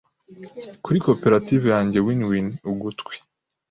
kuri koperative yanjye WinWin ugutwi.